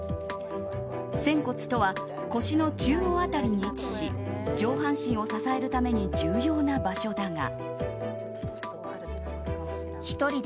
仙骨とは腰の中央辺りに位置し上半身を支えるために重要な場所だが。